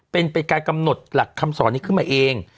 เป็นการกำหนดหลักคำสอนนี้ขึ้นมาเอง